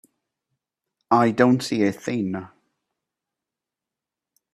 I don't see a thing.